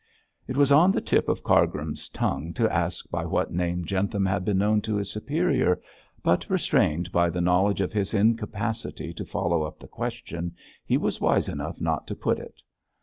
It was on the tip of Cargrim's tongue to ask by what name Jentham had been known to his superior, but restrained by the knowledge of his incapacity to follow up the question, he was wise enough not to put it.